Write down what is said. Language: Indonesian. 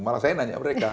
malah saya nanya mereka